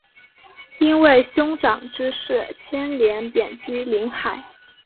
因为兄长之事牵连贬居临海。